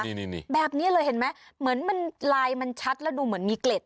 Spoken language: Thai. นี่แบบนี้เลยเห็นไหมเหมือนมันลายมันชัดแล้วดูเหมือนมีเกล็ด